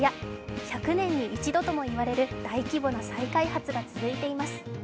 １００年に一度ともいわれる大規模な再開発が続いています。